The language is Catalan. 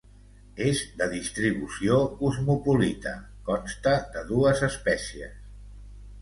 És de distribució cosmopolita, consta de dues espècies.